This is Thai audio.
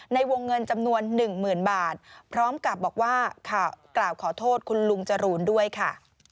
ในโวงเงินจำนวนหนึ่งหมื่นบาทพร้อมกับบอกว่าข่าวกล่าวขอโทษคุณรุงจรูนด้วยค่ะ